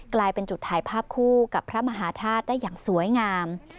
กลายเป็นจุดถ่ายภาพคู่กับพระมหาธาตุได้อย่างสวยงาม